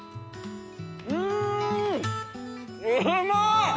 うんうま！